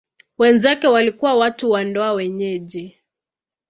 Wenzake walikuwa watu wa ndoa wenyeji.